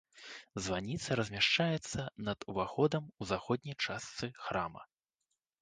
Званіца размяшчаецца над уваходам у заходняй частцы храма.